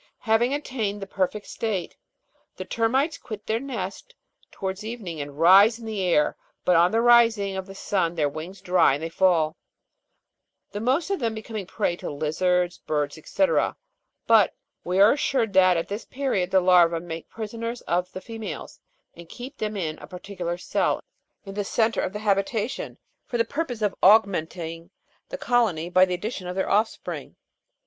Having attained the perfect state, the termites quit their nest towards evening and rise in the air; but on the rising of the sun their wings dry and they fall, the most of them becoming a prey to lizards, birds, &c. ; but we are assured that, at this period, the larvae make prisoners of the females and keep them in a particular cell in the centre of the 14. What are Ter'mites ? What are their habits ? 46 LEPIDOPTER^E. habitation, for the purpose of augmenting the colony by the addi tion of their offspring.